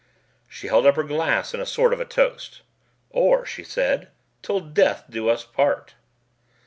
She held up her glass in a sort of a toast. "Or," she said, "'Til death do us part!"